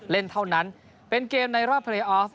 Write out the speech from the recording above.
เล่นเท่านั้นเป็นเกมในรอบเพลย์ออฟ